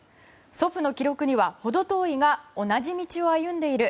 祖父の記録には程遠いが同じ道を歩んでいる。